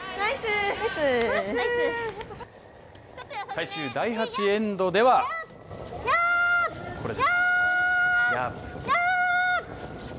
最終第８エンドではこれです。